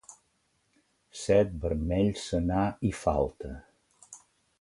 Set, vermell, senar i falta.